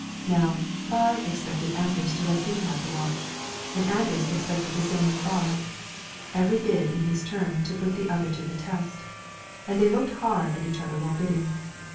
Now, Baard expected Anders to let him have the watch, and Anders expected the same of Baard; each bid in his turn to put the other to the test, and they looked hard at each other while bidding.